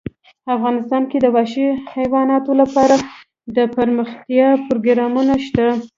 افغانستان کې د وحشي حیوانات لپاره دپرمختیا پروګرامونه شته.